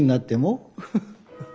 フフフフ！